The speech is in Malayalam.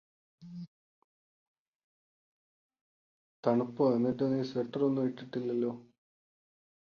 തണുപ്പോ എന്നിട്ട് നീ സ്വെറ്റർ ഒന്നും ഇട്ടിട്ടില്ലല്ലോ